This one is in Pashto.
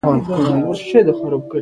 لاندې ترې راوغورځئ او ملا مو ماته شي.